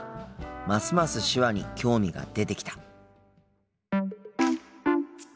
ますます手話に興味が出てきた。